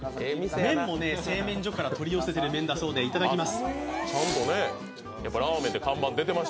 麺も製麺所から取り寄せている麺だそうで、いただきます。